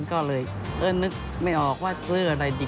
ก็เลยนึกไม่ออกว่าเสื้ออะไรดิบ